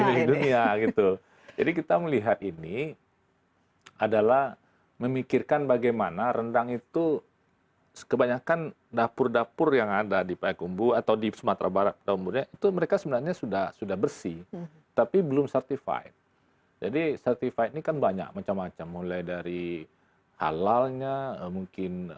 milih dunia gitu jadi kita melihat ini adalah memikirkan bagaimana rendang itu kebanyakan dapur dapur yang ada di payakumbu atau di sumatera barat daumburnya itu mereka sebenarnya sudah bersih tapi belum certified jadi certified ini kan banyak macam macam mulai dari halalnya mungkin